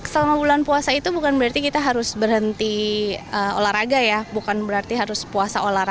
selama bulan puasa itu bukan berarti kita harus berhenti olahraga ya bukan berarti harus puasa olahraga